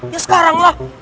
ya sekarang lah